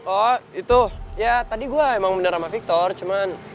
oh itu ya tadi gue emang bener sama victor cuman